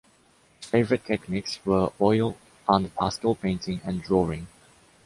His favorite techniques were oil and pastel painting and drawing.